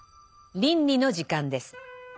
倫理の時間です。